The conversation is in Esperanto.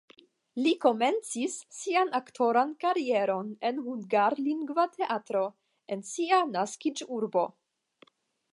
Li komencis sian aktoran karieron en hungarlingva teatro en sia naskiĝurbo.